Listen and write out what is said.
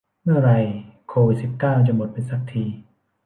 เมื่อไหร่โควิดสิบเก้าจะหมดไปสักที